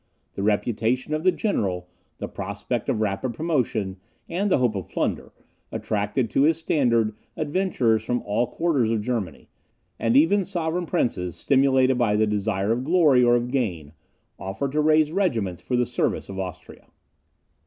The reputation of the general, the prospect of rapid promotion, and the hope of plunder, attracted to his standard adventurers from all quarters of Germany; and even sovereign princes, stimulated by the desire of glory or of gain, offered to raise regiments for the service of Austria.